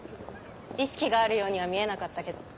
意識があるようには見えなかったけど。